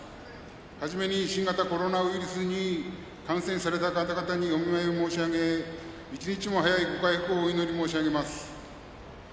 はじめに、新型コロナウイルスに感染された方々にお見舞いを申し上げ一日も早いご回復をお祈り申し上げます。